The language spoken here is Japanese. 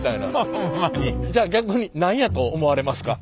じゃあ逆に何やと思われますか？